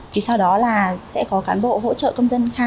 thì sau đó là sẽ có cán bộ hỗ trợ